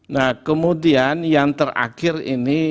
nah kemudian yang terakhir ini